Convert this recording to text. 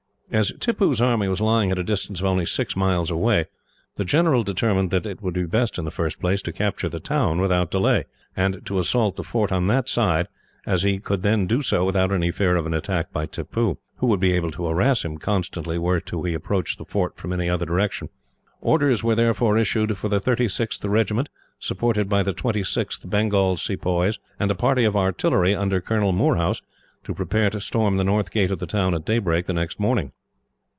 As Tippoo's army was lying at a distance of only six miles away, the general determined that it would be best, in the first place, to capture the town without delay; and to assault the fort on that side, as he could then do so without any fear of an attack by Tippoo; who would be able to harass him, constantly, were he to approach the fort from any other direction. Orders were therefore issued for the 36th Regiment, supported by the 26th Bengal Sepoys, and a party of artillery under Colonel Moorhouse, to prepare to storm the north gate of the town at daybreak the next morning.